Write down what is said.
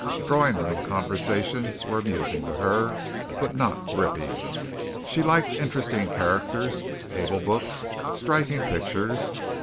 Drawing room conversations were amusing to her, but not gripping. She liked interesting characters, able books, striking pictures.